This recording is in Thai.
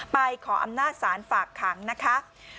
ขออำนาจศาลฝากขังนะคะ